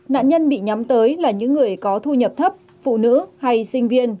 nạn nhân bị nhắm tới là những người có thu nhập thấp phụ nữ hay sinh viên